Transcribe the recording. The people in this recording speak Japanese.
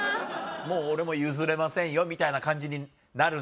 もう俺も譲れませんよみたいな感じになるんだ。